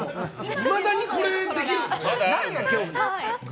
いまだに、これできるんですね。